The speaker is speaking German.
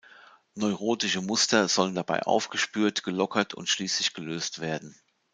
Neurotische Muster sollen dabei aufgespürt, gelockert und schließlich gelöst werden.